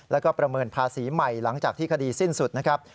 แล้วก็ประเมินภาษีใหม่หลังจากที่คดีสิ้นสุดนะครับ